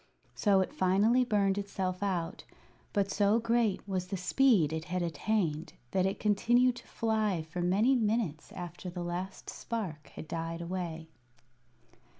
So it finally burned itself out; but so great was the speed it had attained that it continued to fly for many minutes after the last spark had died away.